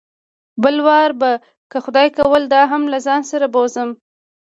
بل وار به که خدای کول دا هم له ځان سره بوځم.